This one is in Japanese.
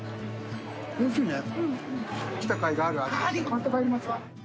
買って帰ります。